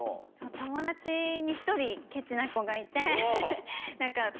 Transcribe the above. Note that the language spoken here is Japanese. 友達に１人ケチな子がいて。